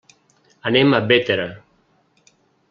Anem a Bétera.